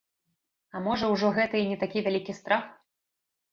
А можа, ужо гэта і не такі вялікі страх?